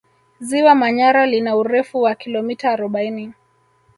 Ziwa Manyara lina urefu wa kilomita arobaini